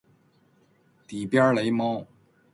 底边猫雷！